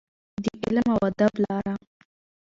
د علم او ادب لاره.